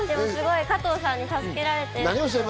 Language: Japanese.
加藤さんに助けられて。